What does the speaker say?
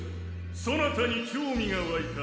そなたに興味がわいた。